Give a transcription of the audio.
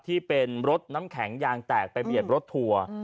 ที่เป็นรถน้ำแข็งยางแตกไปเบียดรถทัวร์